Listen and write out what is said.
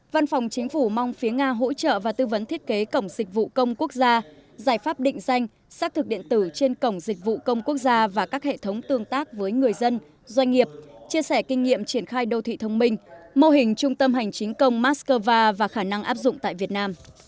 văn phòng chính phủ mong phía nga hỗ trợ và tư vấn thiết kế cổng dịch vụ công quốc gia giải pháp định danh xác thực điện tử trên cổng dịch vụ công quốc gia và các hệ thống tương tác với người dân doanh nghiệp chia sẻ kinh nghiệm triển khai đô thị thông minh mô hình trung tâm hành chính công moscow và khả năng áp dụng tại việt nam